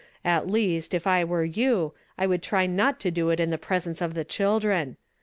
At least, if I were you, I would try not to do it in the pres ence of the children.